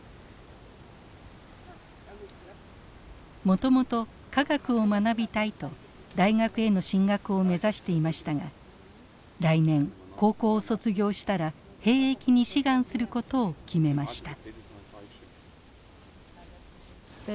もともと化学を学びたいと大学への進学を目指していましたが来年高校を卒業したら兵役に志願することを決めました。